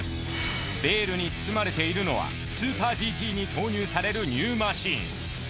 ベールに包まれているのはスーパーＧＴに投入されるニューマシン。